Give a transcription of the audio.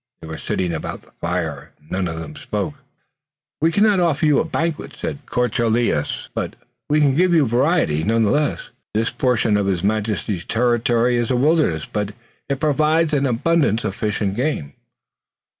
They were sitting about the fire and none of them spoke. "We cannot offer you a banquet," said de Courcelles, "but we can give you variety, none the less. This portion of His Majesty's territory is a wilderness, but it provides an abundance of fish and game."